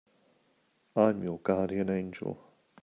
I'm your guardian angel.